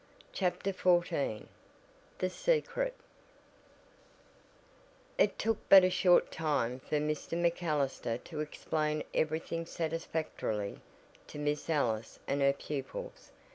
CHAPTER XIV THE SECRET It took but a short time for Mr. MacAllister to explain everything satisfactorily to Miss Ellis and her pupils.